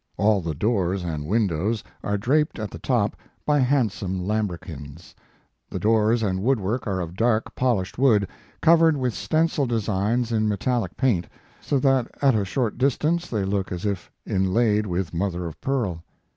All the doors and windows are draped at the top by handsome lam brequins; the doors and woodwork are of dark polished w T ood, covered with stencil designs in metallic paint, so that at a short distance they look as if inlaid with mother of pearl.